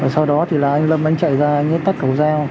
sau đó thì là anh lâm anh chạy ra anh ấy tắt cầu giao